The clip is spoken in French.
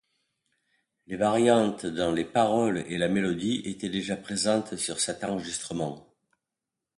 Les variantes dans les paroles et la mélodie étaient déjà présentes sur cet enregistrement.